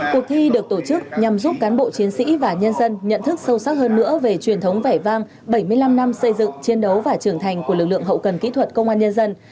cuộc thi được tổ chức nhằm giúp cán bộ chiến sĩ và nhân dân nhận thức sâu sắc hơn nữa về truyền thống vẻ vang bảy mươi năm năm xây dựng chiến đấu và trưởng thành của lực lượng hậu cần kỹ thuật công an nhân dân